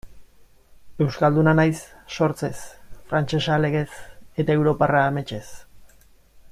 Euskalduna naiz sortzez, frantsesa legez, eta europarra ametsez.